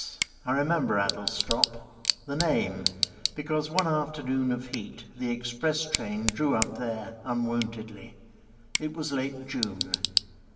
I remember Adlestrop— The name, because one afternoon Of heat the express train drew up there Unwontedly. It was late June.